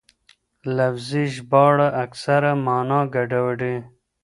لفظي ژباړه اکثره مانا ګډوډوي.